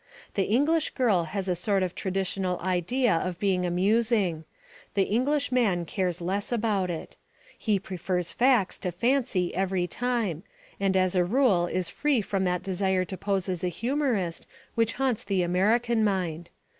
The English girl has a sort of traditional idea of being amusing; the English man cares less about it. He prefers facts to fancy every time, and as a rule is free from that desire to pose as a humourist which haunts the American mind.